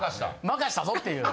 任したぞっていう。